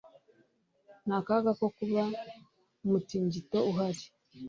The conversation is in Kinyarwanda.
Nta kaga ko kuba umutingito uhari.